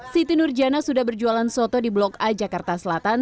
siti nurjana sudah berjualan soto di blok a jakarta selatan